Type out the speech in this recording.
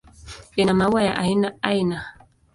Ina maua ya aina aina.